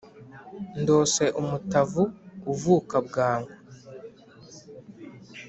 ndose umutavu uvuka bwangu